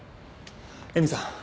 絵美さん！